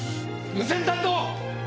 無線担当！